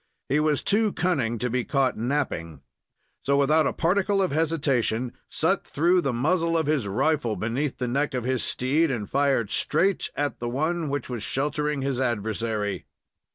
He was to cunning to be caught napping. So, without a particle of hesitation, Sut threw the muzzle of his rifle beneath the neck of his steed, and fired straight at the one which was sheltering his adversary.